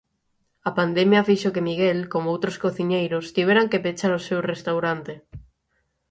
A pandemia fixo que Miguel, como outros cociñeiros, tiveran que pechar o seu restaurante.